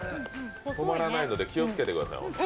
止まらないので気をつけてください、本当に。